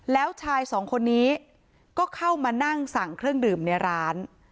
แล้วชายสองคนนี้ก็เข้ามานั่งสั่งเครื่องดื่มในร้าน